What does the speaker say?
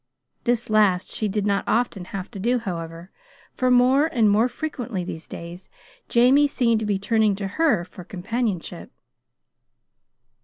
This last she did not often have to do, however, for more and more frequently these days Jamie seemed to be turning to her for companionship.